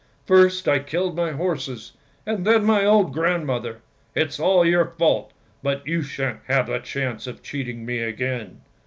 First I killed my horses, and then my old grandmother! It's all your fault, but you shan't have the chance of cheating me again!